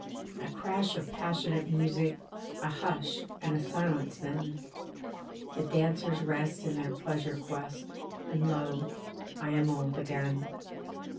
A crash of passionate music, A hush and a silence then; The dancers rest in their pleasure quest, And lo! I am old again.